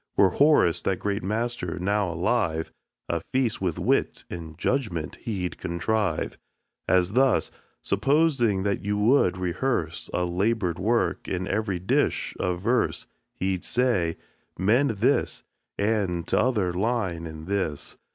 Were Horace, that great master, now alive, A feast with wit and judgment he'd contrive, As thus: Supposing that you would rehearse A labor'd work, and every dish a verse, He'd say, "Mend this and t'other line and this."